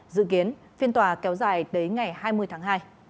dự kiến phiên tòa kéo dài đến ngày hai mươi tháng hai